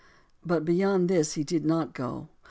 But beyond this he did not go.